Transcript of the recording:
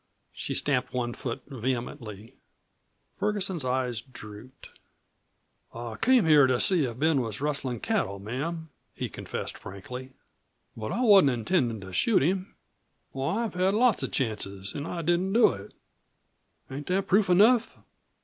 She stamped one foot vehemently. Ferguson's eyes drooped. "I came here to see if Ben was rustlin' cattle, ma'am," he confessed frankly. "But I wasn't intendin' to shoot him. Why, I've had lots of chances, an' I didn't do it. Ain't that proof enough?"